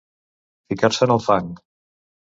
Ficar-se en el fang.